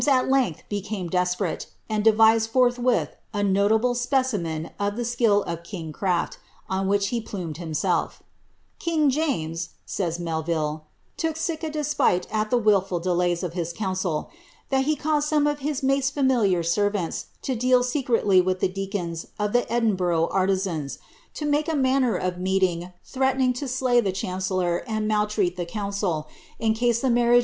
length, became desperate, and devised fonhwiiL a notuble specimui uf the skill ' in^ craJ't, on which lie plumed himeclf. " King Jiunn.'' savs Mel took aic a despite at the wilful delays of his couodli that he cu line of his niaisi familiar serranla lo deal secretly ouh tlie deacon ihe Edinburgh aritzanB, to make a manner of menwi^ thrcateniDf ly the chancellor and maltreat the council, in com iht mairiage ^